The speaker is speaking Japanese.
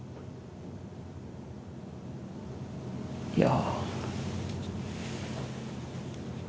いや。